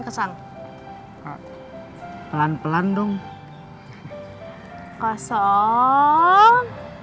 kak pelan pelan dong